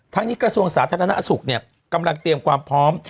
นี้กระทรวงสาธารณสุขเนี่ยกำลังเตรียมความพร้อม